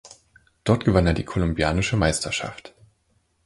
Dort gewann er die kolumbianische Meisterschaft.